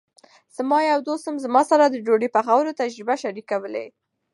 زما یو دوست هم زما سره د ډوډۍ پخولو تجربې شریکولې.